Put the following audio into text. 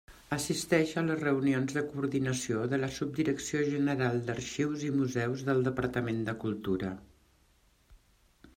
Assisteix a les reunions de coordinació de la Subdirecció General d'Arxius i Museus del Departament de Cultura.